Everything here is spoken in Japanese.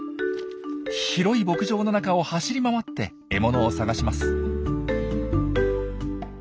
広い牧場の中を走り回って獲物を探します。